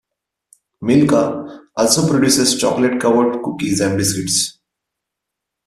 Milka also produces chocolate-covered cookies and biscuits.